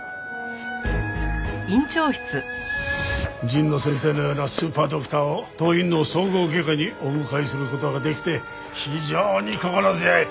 神野先生のようなスーパードクターを当院の総合外科にお迎えする事ができて非常に心強い。